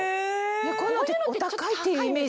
こういうのってお高いっていうイメージが。